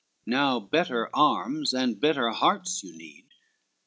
Now better arms and better hearts you need."